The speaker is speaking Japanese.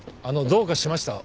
どうかしました？